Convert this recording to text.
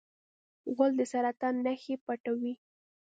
غول د سرطان نښې پټوي.